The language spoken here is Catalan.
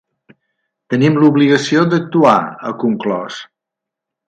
Tenim l’obligació d’actuar, ha conclòs.